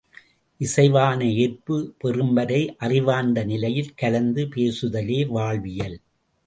இசைவான ஏற்பு பெறும்வரை அறிவார்ந்த நிலையில் கலந்து பேசுதலே வாழ்வியல்.